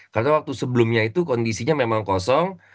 karena waktu sebelumnya itu kondisinya memang kosong